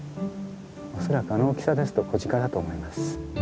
恐らくあの大きさですと子ジカだと思います。